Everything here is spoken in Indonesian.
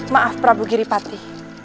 maaf prabu giripati